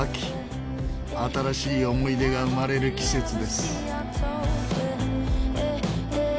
新しい思い出が生まれる季節です。